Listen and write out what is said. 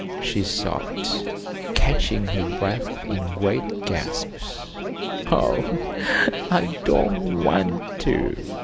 she sobbed, catching her breath in great gasps. "Oh, I don't want to!"